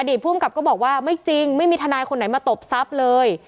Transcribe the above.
ภูมิกับก็บอกว่าไม่จริงไม่มีทนายคนไหนมาตบทรัพย์เลย